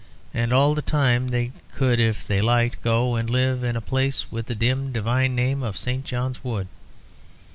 And all the time they could, if they liked, go and live at a place with the dim, divine name of St. John's Wood.